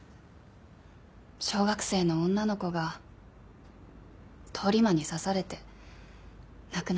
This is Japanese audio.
小学生の女の子が通り魔に刺されて亡くなった。